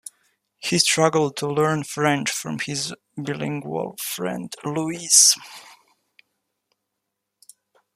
He struggled to learn French from his bilingual friend Louis.